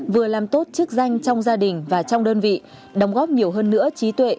vừa làm tốt chức danh trong gia đình và trong đơn vị đóng góp nhiều hơn nữa trí tuệ